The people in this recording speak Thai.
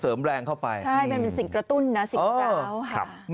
แถมยังไม่ยอมกลับอ่ะ